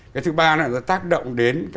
cái thứ ba là nó tác động đến